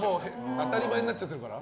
当たり前になっちゃってるから。